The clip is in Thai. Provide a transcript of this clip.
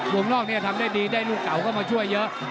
วงนอกนี้ทำได้ดีได้ลูกเก่าเข้ามาช่วยเยอะ